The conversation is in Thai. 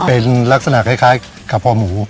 เป็นลักษณะคล้ายกระเพาะหมู